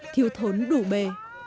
thiếu thốn đủ bề